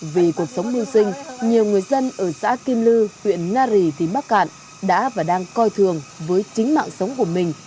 vì cuộc sống bưu sinh nhiều người dân ở xã kim lư huyện nga rì tỉnh bắc cạn đã và đang coi thường với tính mạng sống của mình